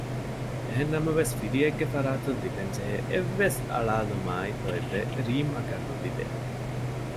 އެހެން ނަމަވެސް ފިރިއެއްގެ ފަރާތުން ލިބެންޖެހޭ އެއްވެސް އަޅާލުމާއި ލޯތްބެއް ރީމްއަކަށް ނުލިބޭ